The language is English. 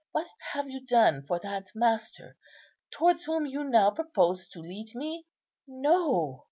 what have you done for that Master towards whom you now propose to lead me? No!"